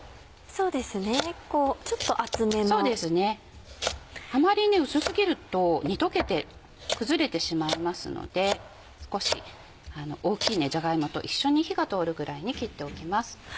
そうですねあまり薄過ぎると煮溶けて崩れてしまいますので少し大きいじゃが芋と一緒に火が通るぐらいに切っておきます。